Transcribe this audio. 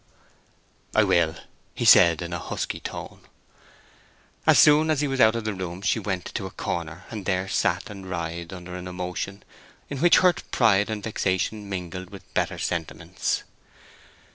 "I will," he said, in a husky tone. As soon as he was out of the room she went to a corner and there sat and writhed under an emotion in which hurt pride and vexation mingled with better sentiments.